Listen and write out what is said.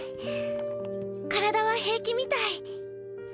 体は平気みたい。